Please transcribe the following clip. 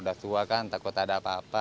udah tua kan takut ada apa apa